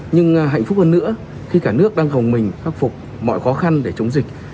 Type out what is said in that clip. nhưng hạnh phúc hơn nữa khi cả nước đang gồng mình khắc phục mọi khó khăn để chống dịch